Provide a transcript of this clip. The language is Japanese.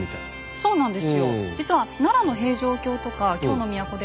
そうなんです。